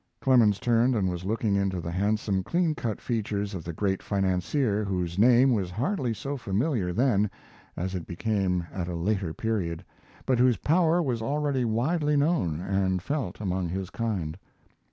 Clemens turned and was looking into the handsome, clean cut features of the great financier, whose name was hardly so familiar then as it became at a later period, but whose power was already widely known and felt among his kind.